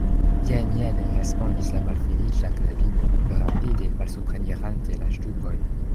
Jen, jen, respondis la malfeliĉa knabino, rapide malsuprenirante la ŝtupojn.